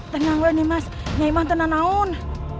tenanglah nih mas nyai mantan anaun